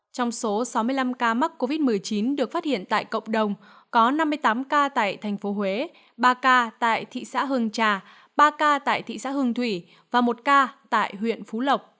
trong số sáu mươi năm ca mắc covid một mươi chín được phát hiện tại cộng đồng có năm mươi tám ca tại tp huế ba ca tại thị xã hương trà ba ca tại thị xã hương thủy và một ca tại huyện phú lộc